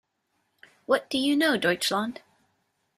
What Do You Know, Deutschland?